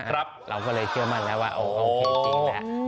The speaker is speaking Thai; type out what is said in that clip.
เราก็เลยเจอมาแล้วว่าโอเคจริงแหละ